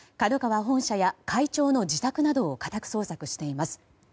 本社や会長の自宅などを家宅捜索しています。